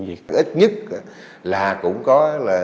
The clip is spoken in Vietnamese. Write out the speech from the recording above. ít nhất là cũng có